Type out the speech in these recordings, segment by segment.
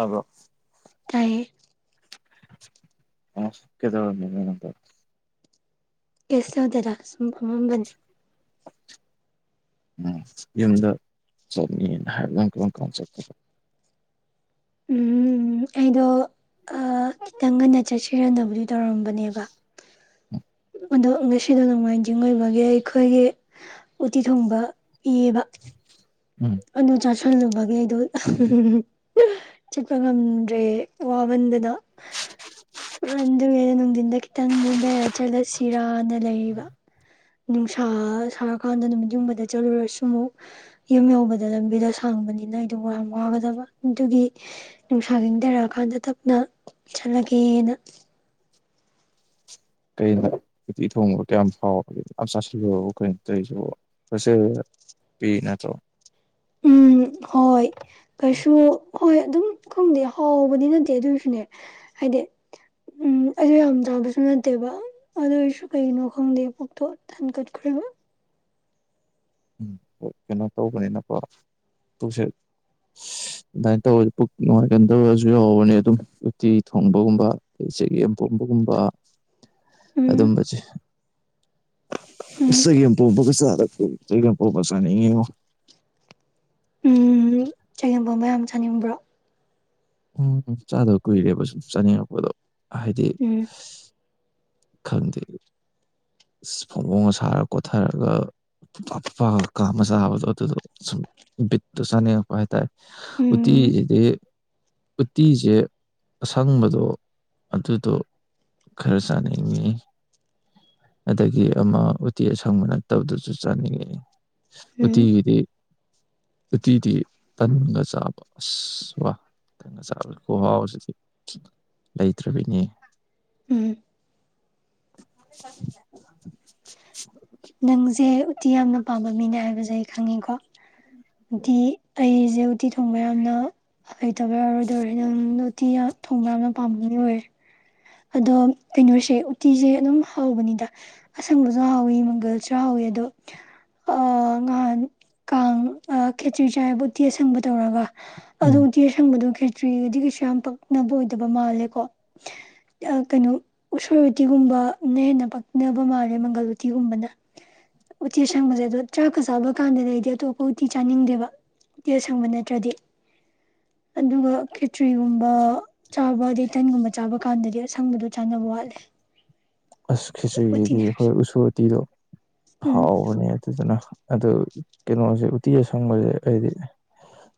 ꯑꯕꯣ ꯇꯥꯏꯌꯦ ꯑꯣ ꯀꯩꯗꯧꯔꯝꯃꯤꯅꫭ ꯅꯪꯕꫭ ꯀꯩꯁꯨ ꯇꯧꯗꯦꯗ ꯁꯝ ꯐꯝꯄꯝꯕꯅꯤ ꯎꯝ ꯌꯨꯝꯗ ꯆꯠꯅꯤꯅ ꯍꯥꯏꯕꯗ ꯀꯔꯝ ꯀꯥꯟ ꯆꯠ ꯎꯝ ꯎꯝ ꯑꯩꯗꯣ ꯈꯤꯇꯪ ꯉꯟꯅ ꯆꯠꯁꯤꯔꯅꯕꯗꯨ ꯇꯧꯔꯝꯕꯅꯦꯕ ꯑꯗꯣ ꯉꯁꯤꯗ ꯅꯣꯡꯃꯥꯏꯖꯤꯡ ꯑꯣꯏꯕꯒꯤ ꯑꯩꯈꯣꯏꯒꯤ ꯎꯇꯤ ꯊꯣꯡꯕ ꯏꯌꯦꯕ ꯎꯝ ꯑꯗꯨꯆꯥ ꯁꯜꯂꯨꯕꯒꯤ ꯑꯩꯗꯣ ꯆꯠꯄ ꯉꯝꯗ꯭ꯔꯦ ꯋꯥꯃꯟꯗꯨꯅ ꯑꯗꯨꯒꯤꯗꯣ ꯅꯨꯡꯊꯤꯟꯗ ꯈꯤꯇꯪ ꯅꯦꯝꯊꯔ ꯆꯠꯂꯁꯤꯔꯅ ꯂꯩꯔꯤꯕ ꯅꯨꯡꯁꯥ ꯁꯥꯔꯀꯥꯟꯗ ꯅꯨꯃꯤꯠ ꯌꯨꯝꯕꯗ ꯆꯠꯂꯨꯔꯁꯨ ꯑꯃꯨꯛ ꯌꯨꯝ ꯌꯧꯕꯗ ꯂꯝꯕꯤꯗꯣ ꯁꯥꯡꯕꯅꯤꯅ ꯑꯩꯗ ꯋꯥ ꯌꯥꯝ ꯋꯥꯒꯗꯕ ꯑꯗꯨꯒꯤ ꯅꯨꯡꯁꯥꯒꯤꯡꯊꯔꯛꯑꯀꯥꯟꯗ ꯇꯞꯅ ꯆꯠꯂꯒꯦꯅ ꯀꯩꯅꫭ ꯎꯇꯤ ꯊꯣꯡꯕ ꯀꯌꯥꯝ ꯍꯥꯎꯔꯒꯦ ꯃꯥꯌꯝ ꯆꯁꯜꯂꯨꯔꯕꫭ ꯀꯩꯅꫭ ꯇꯧꯔꯤꯖꯤꯕꫭ ꯍꯣꯁꯦꯜ ꯄꯤ ꯅꯠꯇ꯭ꯔꯣ ꯎꯝ ꯍꯣꯏ ꯀꯩꯁꯨ ꯍꯣꯏ ꯑꯗꯨꯝ ꯈꯪꯗꯦ ꯍꯥꯎꯕꯗꯤ ꯅꯠꯇꯦ ꯑꯗꯨꯏꯁꯨꯅꯦ ꯍꯥꯏꯗꯤ ꯎꯝ ꯑꯗꯨ ꯌꯥꯝ ꯆꯥꯕꯁꯨ ꯅꯠꯇꯦꯕ ꯑꯗꯨꯏꯁꯨ ꯀꯩꯒꯤꯅꯣ ꯈꯪꯗꯦ ꯄꯣꯛꯇꯣ ꯇꯟ ꯀꯠꯈ꯭ꯔꯔꯤꯕ ꯎꯝ ꯀꯩꯅꯣ ꯇꯧꯕꯅꯤꯅꯀꯣ ꯄꯨꯛꯁꯦ ꯑꯗꯨꯃꯥꯏꯅ ꯇꯧꯔ ꯄꯨꯛ ꯅꯨꯡꯉꯥꯏꯒꯟꯗꯕꯁꯨ ꯌꯥꯎꯕꯅꯤ ꯑꯗꯨꯝ ꯎꯇꯤ ꯊꯣꯡꯕꯒꯨꯝꯕ ꯑꯗꯩ ꯆꯦꯛꯒꯦꯝ ꯄꯣꯝꯕꯒꯨꯝꯕ ꯎꯝ ꯑꯗꯨꯝꯕꯁꯦ ꯎꯝ ꯆꯥꯒꯦꯝ ꯄꫭꯝꯕꯒ ꯆꯥ [inaudible] ꯆꯥꯒꯦꯝ ꯄꫭꯝꯕꯥ ꯆꯥꯅꯤꯡ ꯉꯤꯉꫭ ꯎꯝ ꯆꯒꯦꯝ ꯄꯣꯝꯕ ꯌꯥꯝ ꯆꯥꯅꯤꯡꯕ꯭ꯔꯣ ꯎꯝ ꯆꯥꯗꯧ ꯀꯨꯏꯔꯦꯕ ꯁꯨꯝ ꯆꯥꯅꯤꯡꯉꯛꯄꯗꯣ ꯍꯥꯏꯗꯤ ꯎꯝ ꯈꯪꯗꯦ ꯐꯣꯡꯕꯣꯡꯒ ꯁꯥꯔ ꯀꯣꯊꯔꯒ ꯐꯨꯠꯐꯥ ꯐꯨꯠꯐꯥꯒ ꯀꯝꯃꯥ ꯆꯥꯕꯗꫭ ꯑꯗꯨꯗꫭ ꯁꯨꯝ ꯕꯤꯠꯇꫭ ꯆꯅꯤꯡꯉꯛꯄꯥ ꯍꯥꯏꯇꯥꯔꯦ ꯎꯝ ꯎꯠꯇꯤꯗꯤ ꯎꯇꯤꯁꯦ ꯑꯁꯪꯕꯗꯣ ꯑꯗꯨꯗꯣ ꯈꯔ ꯆꯥꯅꯤꯡꯉꯤ ꯑꯗꯒꯤ ꯑꯃ ꯎꯇꯤ ꯑꯁꯪꯕ ꯅꯠꯇꯧꯗꯨꯁꯨ ꯆꯥꯅꯤꯡꯉꯛꯑ ꯎꯝ ꯎꯇꯤꯒꯤꯗꯤ ꯎꯇꯤꯗꯤ ꯇꯟꯒ ꯆꯥꯕ ꯑꯁ ꯋꯥ ꯇꯟꯒ ꯆꯥꯕ ꯈꯨꯍꯥꯎꯁꯤꯗꯤ ꯂꯩꯇ꯭ꯔꯕꯤꯅꯤ ꯎꯝ [inaudible] ꯅꯪꯁꯦ ꯎꯇꯤ ꯌꯥꯝꯅ ꯄꯥꯝꯕ ꯃꯤꯅꯦ ꯍꯥꯏꯕꯁꯨ ꯑꯩ ꯈꯪꯉꯤꯀꯣ ꯎꯇꯤ ꯑꯩꯁꯦ ꯎꯇꯤ ꯊꯣꯡꯕ ꯌꯥꯝꯅ ꯍꯩꯇꯕ ꯌꯥꯔꯣꯏꯗꯣꯔꯦ ꯅꯪꯅ ꯎꯇꯤ ꯌꯥꯝ ꯊꯣꯡꯕ ꯌꯥꯝꯅ ꯄꯥꯝꯕꯅꯤ ꯑꯣꯏ ꯑꯗꯣ ꯀꯩꯅꯣꯁꯦ ꯎꯇꯤꯁꯦ ꯑꯗꯨꯝ ꯍꯥꯎꯕꯅꯤꯗ ꯑꯁꯪꯕꯁꯨ ꯍꯥꯎꯋꯤ ꯃꯪꯒꯜꯁꯨ ꯍꯥꯎꯋꯤ ꯑꯗꯣ ꯉꯍꯥꯟ ꯀꯥꯡ ꯈꯦꯆ꯭ꯔꯤ ꯆꯥꯏꯕ ꯎꯇꯤ ꯑꯁꯪꯕ ꯇꯧꯔꯒ ꯑꯗꯨ ꯎꯝ ꯎꯇꯤ ꯑꯁꯥꯪ ꯕꯗꯨ ꯈꯦ ꯇ꯭ꯔꯤꯗꯤ ꯀꯩꯁꯨ ꯌꯥꯝ ꯄꯛꯅꯕ ꯑꯣꯏꯗꯕ ꯃꯥꯜꯂꯦ ꯀꯣ ꯀꯩꯅꯣ ꯎꯁꯣꯏ ꯎꯇꯤꯒꯨꯝꯕꯅ ꯍꯦꯟꯅ ꯄꯛꯅꯕ ꯃꯥꯜꯂꯦ ꯃꯪꯒꯜ ꯎꯇꯤꯒꯨꯝꯕꯅ ꯎꯇꯤ ꯑꯁꯪꯕꯁꯦ ꯑꯗꯣ ꯆꯥꯛꯀ ꯆꯥꯕ ꯀꯥꯟꯗꯗꯤ ꯑꯩꯗꯤ ꯑꯇꯣꯞꯄ ꯎꯇꯤ ꯆꯥꯅꯤꯡꯗꯦꯕ ꯎꯇꯤ ꯑꯁꯪꯕ ꯅꯠꯇ꯭ꯔꯗꯤ ꯑꯗꯨꯒ ꯭ꯔꯤꯒꯨꯝꯕ ꯆꯥꯕ ꯑꯗꯩ ꯇꯟꯒꯨꯝꯕ ꯆꯥꯕꯥ ꯀꯥꯟꯗꯗꯤ ꯁꯪꯕꯗꯨ ꯆꯥꯟꯅꯕ ꯋꯥꯠꯂꯦ ꯑꯁ ꯈꯦꯆ꯭ꯔꯤꯒꯤꯗꯤ ꯎꯇꯤꯅꯦ ꯍꯥꯏꯔꯁꯨ ꯑꯩꯈꯣꯏ ꯎꯁꯣꯢ ꯎꯇꯤꯗꯣ ꯎꯝ ꯍꯥꯎꯕꯅꯦ ꯑꯗꯨꯗꯨꯅ ꯑꯗꯨ ꯀꯩꯅꯣꯁꯦ ꯎꯇꯤ ꯑꯁꯪꯕꯁꯦ ꯍꯥꯏꯗꯤ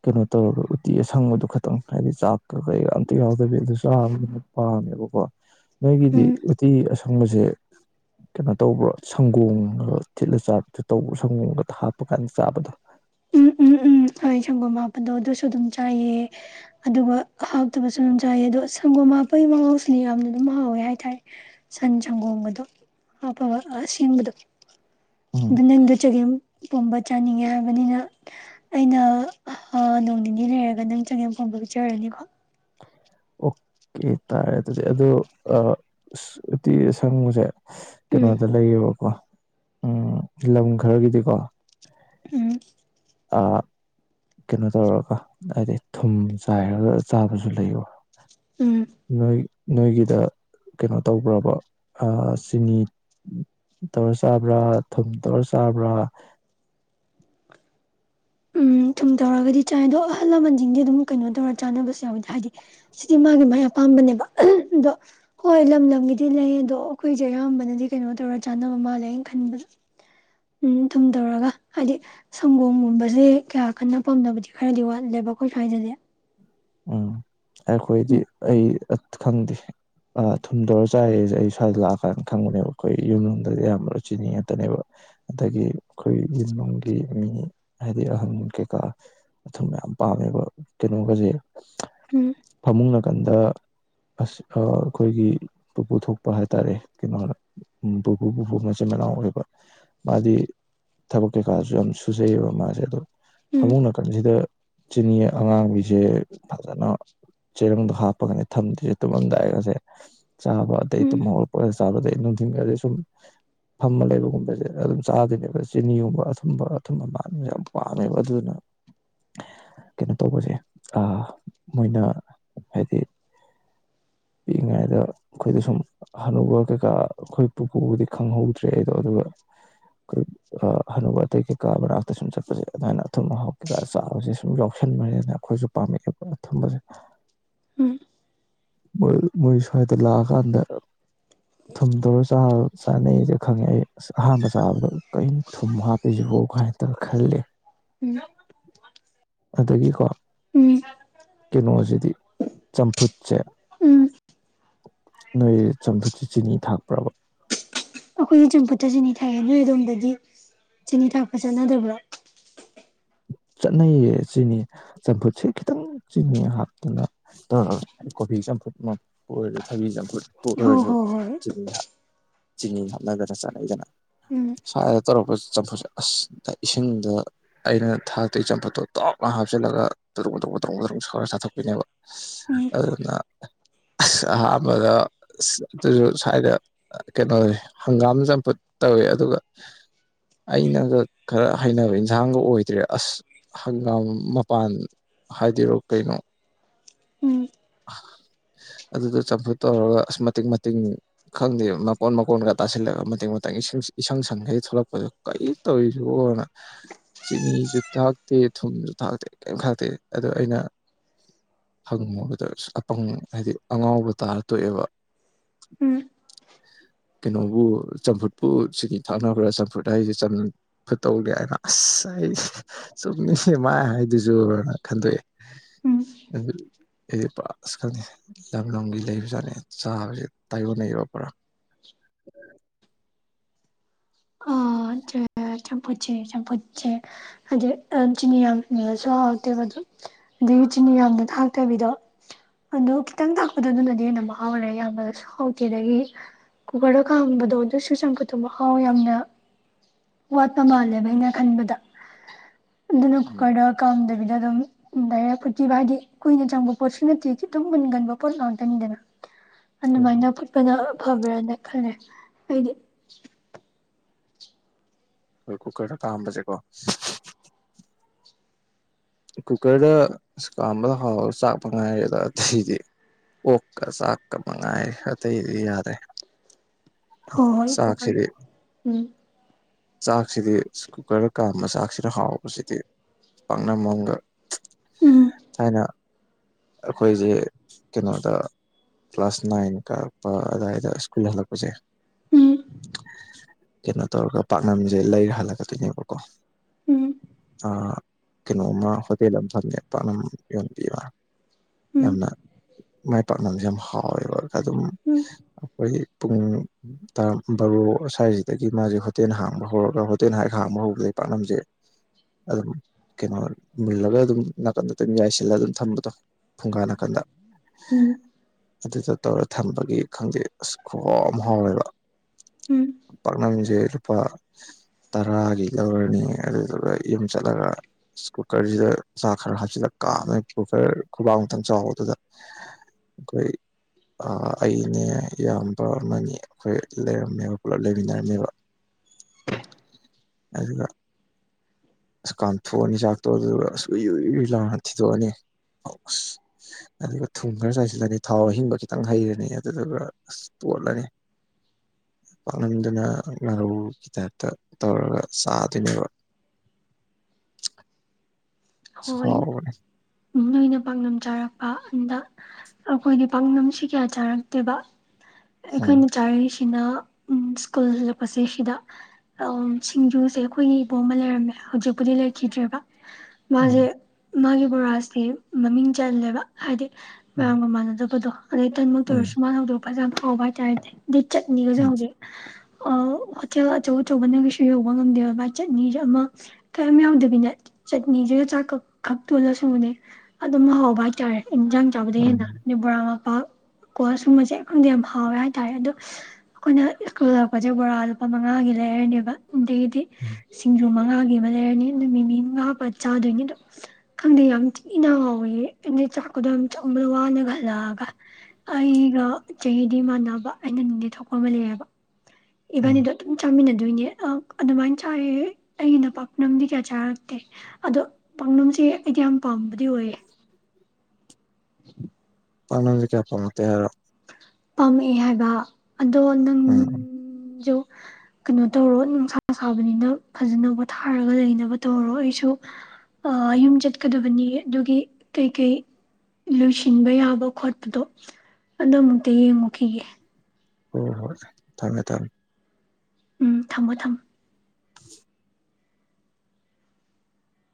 ꯀꯩꯅꯣ ꯇꯧꯔꯒ ꯎꯇꯤ ꯑꯁꯪꯕꯗꯨ ꯈꯇꯪ ꯍꯥꯏꯗꯤ ꯆꯥꯛꯀ ꯀꯩꯀ ꯑꯝꯇ ꯌꯥꯎꯗꯕꯤ ꯑꯗꯨ ꯆꯥꯕꯗꯨꯅ ꯄꯥꯝꯃꯦꯕꯀꯣ ꯅꯣꯏꯒꯤꯗꯤ ꯎꯝ ꯎꯇꯤ ꯁꯨꯝꯕꯁꯦ ꯀꯩꯅꯣ ꯇꯧꯕ꯭ꯔ ꯁꯪꯒꯣꯝꯒ ꯊꯤꯠꯂ ꯆꯥꯕꯗ ꯇꯧꯕ꯭ꯔ ꯁꯪꯒꯣꯝꯒꯗ ꯍꯥꯞꯄ ꯀꯥꯟꯗ ꯆꯥꯕꯗꯣ ꯎꯝ ꯎꯝ ꯎꯝ ꯍꯣꯏ ꯁꯪꯒꯣꯝ ꯍꯥꯞꯄꯗꯣ ꯑꯗꯨꯁꯨ ꯑꯗꯨꯝ ꯆꯥꯏꯑ ꯑꯗꯨꯒ ꯍꯥꯞꯇꯕꯁꯨ ꯑꯗꯨꯝ ꯆꯥꯏꯑ ꯑꯗꯣ ꯁꯪꯒꯣꯝ ꯍꯥꯞꯄꯒꯤ ꯃꯉꯥꯎꯁꯤꯗꯤ ꯌꯥꯝꯅ ꯑꯗꯨꯝ ꯍꯥꯎꯋꯦ ꯍꯥꯏꯇꯥꯔꯦ ꯁꯟ ꯁꯪꯒꯣꯝꯒꯗꯣ ꯍꯥꯞꯄꯒ ꯑꯁꯦꯡꯕꯗꯣ ꯎꯝ [inaudible] ꯄꯣꯝꯕ ꯆꯥꯅꯤꯡꯉꯦ ꯍꯥꯏꯕꯅꯤꯅ ꯑꯩꯅ ꯅꯣꯡ ꯅꯤꯅꯤ ꯂꯩꯔꯒ ꯅꯪ ꯆꯒꯦꯝ ꯄꯣꯡꯕ ꯄꯤꯖꯔꯅꯤꯀꯣ ꯑꯣꯀꯦ ꯇꯥꯔꯦ ꯑꯗꯨꯗꯤ ꯑꯗꯣ ꯎꯇꯤ ꯑꯁꯪꯕꯁꯦ ꯎꯝ ꯀꯩꯅꯣꯗ ꯂꯩꯑꯣꯕꯀꯣ ꯎꯝ ꯂꯝ ꯈꯔꯒꯤꯗꯤꯀꯣ ꯎꯝ ꯀꯩꯅꯣ ꯇꯧꯔꯒ ꯍꯥꯏꯗꯤ ꯊꯨꯝ ꯆꯥꯏꯔꯒ ꯆꯥꯕꯁꯨ ꯂꯩꯌꯦꯕ ꯎꯝ ꯅꯣꯏ ꯅꯣꯏꯒꯤꯗ ꯀꯩꯅꯣ ꯇꯧꯕ꯭ꯔꯕ ꯆꯤꯅꯤ ꯇꯧꯔ ꯆꯥꯕ꯭ꯔꯥ ꯊꯨꯝ ꯇꯧꯔ ꯆꯥꯕ꯭ꯔꯥ ꯎꯝ ꯊꯨꯝ ꯇꯧꯔꯒꯗꯤ ꯆꯥꯏ ꯑꯗꯣ ꯑꯍꯜ ꯂꯃꯟꯁꯤꯡꯗꯤ ꯑꯗꯨꯝ ꯀꯩꯅꯣ ꯇꯧꯔ ꯆꯥꯅꯕꯁꯨ ꯌꯥꯎꯋꯤꯗ ꯍꯥꯏꯗꯤ ꯁꯤꯗꯤ ꯃꯥꯒꯤ ꯃꯥꯥꯏ ꯑꯄꯥꯝꯕꯅꯦꯕ ꯑꯗꯣ ꯍꯣꯏ ꯂꯝ ꯂꯝꯒꯤꯗꯤ ꯂꯩ ꯑꯗꯣ ꯑꯩꯈꯣꯏꯁꯦ ꯑꯌꯥꯝꯕꯅꯗꯤ ꯀꯩꯅꯣ ꯇꯧꯔ ꯆꯥꯅꯕ ꯃꯥꯜꯂꯦꯅ ꯈꯟꯕꯁꯨ ꯎꯝ ꯊꯨꯝ ꯇꯧꯔꯒ ꯍꯥꯏꯗꯤ ꯁꯪꯒꯣꯝꯒꯨꯝꯕ ꯀꯌꯥ ꯀꯟꯅ ꯄꯥꯝꯗꯕꯗꯤ ꯈꯔꯗꯤ ꯋꯥꯠꯂꯦꯕ ꯑꯩꯈꯣꯏ ꯁ꯭ꯋꯥꯏꯗꯗꯤ ꯎꯝ ꯑꯩꯈꯣꯏꯗꯤ ꯎꯝ ꯑꯩ ꯈꯪꯗꯦ ꯊꯨꯝꯇꯧꯔ ꯆꯥꯏꯔꯁꯦ ꯑꯩ ꯁ꯭ꯋꯥꯏꯗ ꯂꯥꯛꯀꯥꯟꯗ ꯈꯪꯕꯅꯦꯕ ꯑꯩꯈꯣꯏ ꯌꯨꯝ ꯌꯣꯡꯗꯗꯤ ꯌꯥꯝ ꯃꯔꯨ ꯆꯤꯅꯤ ꯉꯥꯛꯇꯅꯦꯕ ꯑꯗꯒꯤ ꯑꯩꯈꯣꯏ ꯌꯨꯝꯂꯣꯡꯒꯤ ꯃꯤ ꯍꯥꯏꯗꯤ ꯑꯍꯟ ꯀꯩꯀꯥ ꯑꯨꯝ ꯃꯌꯥꯝ ꯄꯥꯝꯃꯦꯕ ꯀꯩꯅꯣꯒꯁꯦ ꯎꯝ ꯐꯃꯨꯡꯅ ꯅꯥꯀꯟꯗ ꯑꯁ ꯑꯩꯈꯣꯏꯒꯤ ꯄꯨꯄꯨ ꯊꯣꯛꯄ ꯍꯥꯏꯇꯥꯔꯦ ꯀꯩꯅꯣꯅ ꯄꯨꯄꯨ ꯄꯨꯄꯨ ꯃꯆꯤꯟ ꯃꯅꯥꯎ ꯑꯣꯏꯕ ꯃꯥꯗꯤ ꯊꯕꯛ ꯀꯩꯀꯥꯁꯨ ꯌꯥꯝ ꯁꯨꯖꯩꯑꯕ ꯃꯥꯁꯦ ꯑꯗꯣ ꯎꯝ ꯐꯃꯨꯡ ꯅꯥꯀꯟꯁꯤꯗ ꯆꯤꯅꯤ ꯑꯉꯥꯡꯒꯁꯦ ꯐꯖꯅ ꯆꯦꯔꯪꯗ ꯍꯥꯞꯄꯒꯅꯤ ꯊꯝꯗꯣꯏꯁꯦ ꯇꯨꯝꯃꯝꯗꯥꯏꯒꯁꯦ ꯎꯝ ꯆꯥꯕꯗ ꯃꯣꯜ ꯆꯥꯕꯗꯩ ꯅꯨꯡꯊꯤꯟꯗꯤ ꯁꯨꯝ ꯐꯝꯃ ꯂꯩꯕꯒꯨꯝꯕꯁꯦ ꯑꯗꯨꯝ ꯆꯥꯗꯣꯏꯅꯦꯕ ꯆꯤꯅꯤꯒꯨꯝꯕ ꯑꯊꯨꯝꯕ ꯑꯊꯨꯝꯕ ꯃꯁꯦ ꯌꯥꯝ ꯄꯥꯝꯃꯦꯕ ꯑꯗꯨꯗꯨꯅ ꯀꯩꯅꯣ ꯇꯧꯕꯁꯦ ꯃꯣꯏꯅ ꯍꯥꯏꯗꯤ ꯄꯤꯛꯏꯉꯩꯗ ꯑꯩꯈꯣꯏꯗ ꯁꯨꯝ ꯑꯅꯨꯧꯕ ꯀꯩꯀꯥ ꯑꯩꯈꯣꯏ ꯄꯨꯄꯨꯕꯨꯗꯤ ꯈꯪꯍꯧꯗ꯭ꯔꯦ ꯑꯩꯗꯣ ꯑꯗꯨꯒ ꯑꯩꯈꯣꯏ ꯍꯅꯨꯧꯕ ꯑꯇꯩ ꯀꯩꯀꯥ ꯃꯅꯥꯛꯇ ꯁꯨꯝ ꯆꯠꯄꯁꯦ ꯑꯗꯨꯃꯥꯏꯅ ꯑꯊꯨꯝ ꯑꯥꯎ ꯀꯩꯀꯥ ꯆꯥꯕꯁꯦ ꯁꯨꯝ ꯌꯥꯎꯁꯟꯕꯔꯦꯅ ꯑꯩꯈꯣꯏꯁꯨ ꯄꯥꯝꯃꯦꯑꯦ ꯑꯩꯈꯣꯏꯅ ꯊꯝꯕꯁꯦ ꯎꯝ ꯃꯣꯏ ꯃꯣꯏ ꯁ꯭ꯋꯥꯏꯗ ꯂꯥꯛꯑꯀꯥꯟꯗ ꯊꯨꯝ ꯇꯧꯔ ꯆꯥꯅꯩꯁꯦ ꯈꯪꯉꯦ ꯑꯩ ꯑꯁ ꯑꯍꯥꯟꯕ ꯆꯥꯕꯗ ꯀꯩꯅꯧ ꯊꯨꯝ ꯍꯥꯞꯄꯤꯁꯤꯕꯣ ꯀꯥꯏꯅ ꯈꯜꯂꯦ ꯎꯝ ꯑꯗꯨꯗꯒꯤ ꯀꯣ ꯎꯝ ꯎꯝ ꯀꯩꯅꯣꯁꯤꯗꯤ ꯆꯝꯐꯨꯠꯁꯦ ꯎꯝ ꯅꯣꯏ ꯆꯝꯐꯨꯠꯁꯦ ꯆꯤꯅꯤ ꯊꯥꯛꯄ꯭ꯔꯕ ꯑꯩꯈꯣꯏꯒꯤ ꯆꯝꯄꯨꯠꯇ ꯆꯤꯅꯤ ꯊꯥꯛꯑꯦ ꯅꯣꯏ ꯑꯗꯣꯝꯗꯒꯤ ꯆꯤꯅꯤ ꯊꯥꯛꯄ ꯆꯠꯅꯗꯕ꯭ꯔꯣ ꯆꯠꯅꯩꯌꯦ ꯆꯤꯅꯤ ꯆꯝꯐꯨꯠꯁꯦ ꯈꯤꯇꯪ ꯆꯤꯅꯤ ꯍꯥꯞꯇꯅ ꯇꯧꯔ ꯀꯣꯕꯤ ꯆꯝꯐꯨꯠ ꯑꯃꯨ ꯑꯣꯏꯔꯁꯨ ꯊꯕꯤ ꯆꯝꯐꯨꯠꯨ ꯍꯣ ꯑꯣꯏꯔꯁꯨ ꯍꯣ ꯍꯣꯏ ꯆꯤꯅꯤ ꯆꯤꯅꯤ ꯍꯥꯞꯅꯗꯅ ꯆꯠꯅꯩꯗꯅ ꯎꯝ ꯁ꯭ꯋꯥꯏꯗ ꯇꯧꯔꯛꯄ ꯆꯝꯐꯨꯠꯁꯦ ꯑꯁ ꯏꯁꯤꯡꯗ ꯑꯩꯅ ꯊꯛ ꯑꯇꯩ ꯆꯝꯐꯨꯠꯇꯣ ꯇꯣꯞꯅ ꯍꯥꯞꯆꯤꯜꯂꯒ ꯄꯨꯗ꯭ꯔꯨꯛ ꯄꯨꯗ꯭ꯔꯨꯛ ꯄꯨꯗ꯭ꯔꯨꯛ ꯁꯧꯔ ꯆꯥꯊꯣꯛꯄꯤꯅꯦꯕ ꯎꯝ ꯑꯗꯨꯅ ꯑꯁ ꯑꯍꯥꯟꯕꯗ ꯑꯗꯨꯁꯨ ꯁ꯭ꯋꯥꯏꯗ ꯀꯩꯅꯣ ꯍꯪꯒꯥꯝ ꯆꯝꯐꯨꯠ ꯇꯧꯋꯦ ꯑꯗꯨꯒ ꯑꯩꯅꯒ ꯈꯔ ꯍꯩꯅꯕ ꯏꯟꯁꯥꯡꯒ ꯑꯣꯏꯗ꯭ꯔꯦ ꯑꯁ ꯍꯪꯒꯥꯝ ꯃꯄꯥꯟ ꯍꯥꯏꯗꯣꯏꯔꯣ ꯀꯩꯅꯣ ꯎꯝ ꯑꯗꯨꯗ ꯆꯝꯐꯨꯠ ꯇꯧꯔꯒ ꯑꯁ ꯃꯇꯤꯡ ꯃꯇꯤꯡ ꯈꯪꯗꯦ ꯃꯀꯣꯟ ꯃꯀꯣꯟꯒ ꯇꯥꯁꯤꯜꯂꯒ ꯃꯇꯥꯡ ꯃꯇꯥꯡꯁꯤꯡ ꯏꯁꯪ ꯁꯪꯈꯩ ꯊꯣꯛꯂꯛꯄꯗ ꯀꯔꯤ ꯇꯧꯔꯤꯁꯤꯕꯣꯅ ꯆꯤꯅꯤꯁꯨ ꯊꯥꯛ ꯇꯦ ꯊꯨꯝꯁꯨ ꯊꯥꯛꯇꯦ ꯀꯔꯤꯝ ꯈꯥꯛꯇꯦ ꯑꯗꯣ ꯑꯩꯅ ꯍꯪꯉꯨꯕꯗ ꯑꯄꯪ ꯍꯥꯏꯗꯤ ꯑꯉꯥꯎꯕ ꯇꯥꯔ ꯇꯣꯛꯑꯦꯕ ꯎꯝ ꯀꯩꯅꯣꯕꯨ ꯆꯝꯐꯨꯠꯄꯨ ꯁꯤꯅꯤ ꯊꯥꯅꯕ꯭ꯔꯥ ꯆꯝꯐꯨꯠ ꯍꯥꯏꯁꯦ ꯆꯝ ꯐꯨꯠꯇꯧꯅꯦ ꯍꯥꯏꯅ ꯑꯁ ꯑꯩꯁꯦ ꯆꯨꯝꯃꯤꯅꯦ ꯃꯥ ꯍꯥꯏꯗꯨꯁꯨꯅ ꯈꯟꯗꯣꯛꯑꯦ ꯎꯝ ꯑꯗꯨ ꯑꯩꯗꯤ ꯄꯨꯔꯥ ꯑꯁ ꯈꯪꯗꯦ ꯂꯝꯂꯝꯒꯤ ꯂꯩꯕꯖꯥꯠꯅꯤ ꯆꯥꯕꯁꯦ ꯇꯥꯏꯌꯣꯟꯅꯩꯌꯦꯕ ꯄꯨꯔꯥ [inaudible] ꯑ ꯆꯝꯐꯨꯠꯁꯦ ꯆꯝꯐꯨꯠꯁꯦ ꯍꯥꯏꯗꯤ ꯆꯤꯅꯤ ꯌꯥꯝꯕꯗꯁꯨ ꯍꯥꯎꯇꯦꯕ ꯑꯗꯨ ꯑꯗꯒꯤ ꯆꯤꯅꯤ ꯌꯥꯝꯅ ꯊꯥꯛꯇꯕꯤꯗꯣ ꯑꯗꯨ ꯈꯤꯇꯪ ꯊꯥꯛꯄꯗ ꯑꯗꯨꯅꯗꯤ ꯍꯦꯟꯅ ꯃꯍꯥꯎꯔꯦ ꯌꯥꯝꯕꯗꯁꯨ ꯍꯥꯎꯇꯦ ꯑꯗꯒꯤ ꯀꯨꯀꯔꯗ ꯈꯥꯝꯕꯗꯣ ꯑꯗꯨꯁꯨ ꯆꯝꯐꯨꯠꯇꯣ ꯃꯍꯥꯎ ꯌꯥꯝ ꯋꯥꯠꯄ ꯃꯥꯜꯂꯦꯕ ꯑꯩꯅ ꯈꯟꯕꯗ ꯑꯗꯨꯅ ꯎꯝ ꯀꯨꯀꯔꯗ ꯀꯥꯝꯗꯕꯤꯗ ꯑꯗꯨꯝ ꯗꯥꯏꯔ ꯐꯊꯤꯚ ꯍꯥꯏꯗꯤ ꯀꯨꯏꯅ ꯆꯪꯕ ꯄꯣꯠꯁꯨ ꯅꯠꯇꯦ ꯈꯤꯇꯪ ꯃꯨꯟꯒꯟꯕ ꯄꯣꯠ ꯉꯥꯛꯇꯅꯤꯗꯅ ꯍꯣꯏ ꯑꯗꯨꯃꯥꯏꯅ ꯍꯣꯏ ꯄꯠꯄꯗ ꯐꯕ꯭ꯔꯅ ꯈꯪꯉꯦ ꯑꯩꯗꯤ ꯑꯩ ꯀꯨꯀꯔꯗ ꯀꯥꯝꯕ ꯆꯦ ꯀꯣ ꯀꯨꯀꯔꯗ ꯀꯥꯝꯕꯗ ꯍꯥꯎꯔ ꯆꯥꯛ ꯃꯉꯥꯏꯔꯦ ꯑꯗ ꯑꯇꯩꯗꯤ ꯑꯣꯛꯀ ꯆꯥꯛꯀ ꯃꯉꯥꯏ ꯑꯇꯩꯗꯤ ꯌꯥꯔꯦ ꯍ ꯍꯣꯏ ꯀꯣꯈ ꯎꯝ ꯆꯥꯛꯁꯤꯗꯤ ꯀꯨꯀꯔꯗ ꯀꯥꯝꯕ ꯆꯥꯛꯁꯤꯗ ꯍꯥꯎꯕꯁꯤꯗꯤ ꯄꯥꯛꯅꯝ ꯑ ꯎꯝ ꯍꯥꯏꯥꯏꯅ ꯑꯩꯈꯣꯏꯁꯦ ꯀꯩꯅꯣꯗ ꯀ꯭ꯂꯥꯁ ꯅꯥꯏꯟ ꯀꯥꯔꯛꯄ ꯑꯗꯨꯗꯥꯋꯥꯏꯗ ꯁ꯭ꯀꯨꯜ ꯍꯜꯂꯛꯄꯁꯦ ꯎꯝ ꯀꯩꯅꯣ ꯇꯧꯔꯒ ꯄꯥꯛꯅꯝꯁꯦ ꯂꯩꯔ ꯍꯜꯂꯛꯀꯗꯣꯏꯅꯦꯕꯀꯣ ꯎꯝ ꯀꯩꯅꯣꯃ ꯀꯗꯤ ꯂꯗꯝꯅꯤ ꯌꯥꯄꯅ ꯌꯕꯤ ꯎꯝ ꯌꯥꯝꯅ ꯃꯥꯏ ꯄꯥꯛꯅꯕꯁꯨ ꯌꯥꯝ ꯍꯥꯎ ꯍꯣꯏ ꯍꯣꯏ ꯑꯗꯨꯝ ꯎꯝ ꯑꯩꯈꯣꯏ ꯄꯨꯡ ꯇꯥ ꯕꯥꯔꯣ ꯁ꯭ꯋꯥꯏꯁꯤꯗꯒꯤ ꯃꯥꯁꯦ ꯍꯣꯇꯦꯜ ꯍꯥꯡꯕ ꯍꯧꯔꯒ ꯍꯣꯇꯦꯜ ꯍꯥꯏꯔ ꯍꯥꯡꯕ ꯍꯧꯕꯗꯒꯤꯩ ꯄꯥꯅꯝꯁꯦ ꯑꯗꯨꯝ ꯀꯩꯅꯣ ꯃꯨꯜꯂꯒ ꯑꯗꯨꯝ ꯅꯥꯀꯟ ꯇꯟ ꯌꯥꯏꯁꯤꯜꯂꯒ ꯑꯗꯨꯝ ꯊꯝꯕꯗꯣ ꯐꯨꯡꯒꯥ ꯅꯥꯀꯟꯗ ꯎꯝ ꯑꯗꯨ ꯆ ꯇꯧꯔ ꯊꯝꯕꯒꯤ ꯈꯪꯗꯦ ꯑꯁ ꯈꯣꯡꯝ ꯍꯥꯎꯋꯦꯕ ꯎꯝ ꯅꯃꯤꯖꯦꯄꯥ ꯇꯔꯥꯒꯤ ꯂꯧꯔꯅꯤ ꯑꯗꯨꯗꯨꯒ ꯌꯨꯝ ꯆꯠꯂꯒ ꯀꯨꯀꯔꯁꯤꯗ ꯆꯥꯛ ꯈꯔ ꯍꯥꯞꯆꯤꯂ ꯀꯥꯝꯃꯦ ꯀꯨ ꯈꯔ ꯈꯨꯕꯥꯛ ꯃꯊꯪ ꯆꯥꯎꯕꯗꯨꯗ ꯑꯩꯈꯣꯏ ꯑꯩꯅꯦ ꯏꯌꯥꯝꯕ ꯑꯃꯅꯤ ꯑꯩꯈꯣꯏ ꯂꯩꯔꯝꯃꯦꯕ ꯄꯨꯂꯞ ꯂꯩꯃꯤꯟꯅꯔꯝꯃꯦꯕ ꯑꯗꯨꯒ ꯑꯀꯥꯟꯊꯣꯛꯑꯅꯤ ꯆꯥꯛ ꯇꯣꯗꯨꯒ ꯑ ꯁꯨꯏꯏꯨꯏ ꯂꯥꯎꯅ ꯊꯤꯗꯣꯛꯑꯅꯤ ꯑꯁ ꯑꯗꯨꯒ ꯊꯨꯝ ꯈꯔ ꯆꯥꯏꯁꯤꯜꯂꯅꯤ ꯊꯥꯎ ꯑꯍꯤꯡꯕ ꯈꯤꯇꯪ ꯍꯩꯔꯅꯤ ꯑꯗꯨꯗꯨꯒ ꯑꯁ ꯇꯣꯠꯂꯅꯤ ꯄꯥꯛꯂꯝꯟꯗꯨꯅ ꯉꯥꯔꯧꯒꯤ ꯇꯥꯏꯞꯇ ꯇꯧꯔꯒ ꯆꯥꯗꯣꯏꯅꯦꯕ ꯍꯣꯏ ꯁꯥꯎꯕꯅꯦ ꯎ ꯅꯣꯏꯅ ꯄꯥꯛꯅꯝ ꯆꯥꯔꯛꯄ ꯑꯗ ꯑꯩꯈꯣꯏꯗꯤ ꯄꯥꯡꯅꯁꯤ ꯀꯌꯥ ꯆꯥꯔꯛꯇꯦꯕ ꯑꯩꯈꯣꯏ ꯎꯝ ꯆꯥꯏ ꯁꯤꯅ ꯁ꯭ꯀꯨꯜꯂꯛꯄꯁꯦ ꯁꯤꯗ ꯁꯤꯡꯖꯨꯁꯦ ꯑꯩꯈꯣꯏꯒꯤ ꯏꯕꯣ ꯑꯃ ꯂꯩꯔꯝꯃꯦ ꯍꯧꯖꯤꯛꯄꯨꯗꯤ ꯂꯩꯈꯤꯗ꯭ꯔꯦꯕ ꯃꯥꯁꯦ ꯎꯝ ꯃꯥꯒꯤ ꯕꯣꯔꯥꯁꯦ ꯃꯃꯤꯡ ꯆꯜꯂꯦꯕ ꯍꯥꯏꯗꯤ ꯎꯝ ꯃꯌꯥꯝꯒ ꯃꯥꯟꯅꯗꯕꯗꯣ ꯑꯗ ꯇ ꯃꯛꯇ ꯇ ꯎꯝ ꯌꯨꯁꯃꯥꯟ ꯍꯧꯣ ꯄꯁꯟꯣꯕ ꯆꯥꯏꯁꯦ ꯆꯠꯅꯤꯒꯁꯦ ꯍꯧꯖꯤꯛ ꯍꯣꯇꯦꯜ ꯑꯆꯧ ꯑꯆꯧꯕꯅ ꯀꯩꯁꯨ ꯌꯧꯕ ꯉꯝꯗꯦꯕꯚꯥꯏ ꯆꯠꯅꯤ ꯑꯃ ꯀꯌꯥꯝꯝ ꯌꯥꯎꯗꯕꯤꯅ ꯄꯨꯅꯤꯗꯨꯒ ꯆꯥꯛꯛ ꯈꯛ ꯇꯨꯜꯂꯁꯨꯕꯅꯦ ꯑꯗꯨꯝ ꯍꯥꯎꯧꯕ ꯍꯥꯏꯇꯥꯔꯦ ꯏꯟꯖꯥꯡ ꯆꯥꯕꯗ ꯎꯝ ꯍꯦꯟꯅ ꯎꯝ ꯅꯤꯕꯣꯔꯥ ꯃꯄꯥ ꯀꯣ ꯁꯨꯝꯕꯁꯦ ꯑꯩꯈꯪꯗꯤ ꯌꯥꯝ ꯍꯥꯎꯋꯦ ꯍꯥꯏꯇꯥꯔꯦ ꯑꯗꯣ ꯑꯩꯈꯣꯏꯅ ꯁ꯭ꯀꯨꯜ ꯂꯥꯛꯄꯁꯦ ꯕꯣꯔꯥ ꯂꯨꯄꯥ ꯃꯉꯥꯒꯤ ꯂꯩꯔꯅꯦꯕ ꯑꯗꯒꯤꯗꯤ ꯎꯝ ꯁꯤꯡꯖꯨꯃ ꯃꯥꯦ ꯃꯔꯅꯤ ꯅꯃꯤ ꯃꯥ ꯄ ꯆꯥꯗꯣꯏꯅꯤ ꯑꯣ ꯈꯪꯗꯦ ꯌꯥꯝ ꯊꯤꯅ ꯍꯥꯎꯋꯦ ꯑꯗ ꯆꯥꯛꯀꯗꯣ ꯌꯥꯝ ꯆꯕꯗ ꯋꯥꯅꯒ ꯍꯜꯂꯛꯑꯒ ꯑꯩꯒ ꯆꯍꯤꯗꯤ ꯃꯥꯟꯅꯕ ꯑꯩꯅ ꯗꯤ ꯊꯣꯛꯄ ꯀꯃꯂꯤꯕ ꯎꯝ ꯏꯕꯅꯤꯗꯣ ꯆꯃꯅ ꯑꯗꯨꯏꯅꯦ ꯑꯗꯨꯃꯥꯏꯅ ꯆꯥꯏ ꯑꯩꯒꯤꯅ ꯄꯥꯛꯅꯝꯗꯤ ꯀꯌꯥ ꯆꯥꯔꯛꯇꯦ ꯑꯗꯣ ꯄꯥꯛꯅꯝꯁꯦ ꯑꯩꯗꯤ ꯌꯥꯝ ꯄꯝꯕꯗꯤ ꯑꯣꯏꯌꯦ꯫ ꯄꯥꯛꯅꯝꯖꯦ ꯀ꯭ꯌꯥ ꯄꯥꯝꯃꯛꯇꯦ ꯍꯥꯏꯔꯣ꯫ ꯄꯥꯝꯃꯛꯑꯦ ꯍꯥꯏꯕ꯫ ꯑꯗꯣ ꯅꯪ ꯎꯝ ꯌꯣ ꯀꯩꯅꯣ ꯇꯧꯔꯣ ꯅꯨꯡꯁꯥ ꯁꯥꯕꯅꯤꯅ ꯐꯖꯅ ꯄꯣꯊꯥꯔꯒ ꯂꯩꯅꯕ ꯇꯧꯔꯣ ꯑꯩꯁꯨ ꯑ ꯌꯨꯝ ꯆꯠꯀꯗꯕꯅꯤ ꯑꯗꯨꯒꯤ ꯀꯩꯀꯩ ꯂꯣꯏꯁꯤꯟꯕ ꯌꯥꯕ ꯈꯣꯠꯄꯗꯣ ꯑꯗꯨ ꯃꯨꯛ [unintelligible] ꯃꯨꯛꯈꯤꯒꯦ꯫ ꯍꯣꯏ ꯍꯣꯏ ꯊꯝꯃꯦ ꯊꯝꯃꯦ ꯎꯝ ꯊꯝꯃꯣ ꯊꯝꯃꯣ